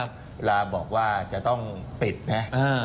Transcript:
เวลาบอกว่าจะต้องปิดนะ